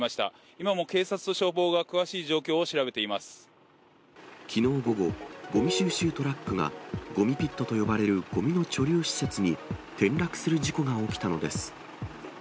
今も警察と消防が詳しい状況を調きのう午後、ごみ収集トラックが、ごみピットと呼ばれるごみの貯留施設に転落する事故が起きたのです。